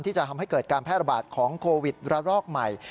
ที่จะทำให้เกิดการแพร่ระบาดของโควิดระลอกใหม่